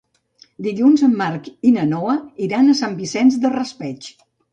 Dilluns en Marc i na Noa iran a Sant Vicent del Raspeig.